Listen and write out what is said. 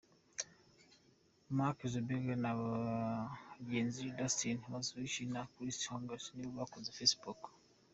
Mark Zuckerberg na bagenziDustin Moskovitz na Chris Hughes nibo bakoze Facebook.